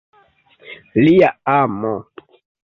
Lia amo.